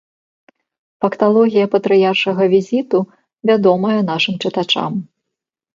Факталогія патрыяршага візіту вядомая нашым чытачам.